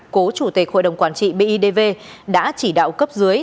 cố chủ tịch hội đồng quản trị bidv đã chỉ đạo cấp dưới